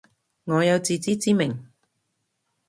我有自知之明